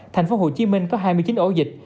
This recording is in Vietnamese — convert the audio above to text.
thành phố hồ chí minh có hai mươi chín ổ dịch